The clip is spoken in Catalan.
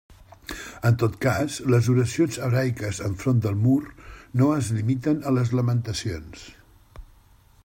En tot cas, les oracions hebraiques enfront del mur no es limiten a les lamentacions.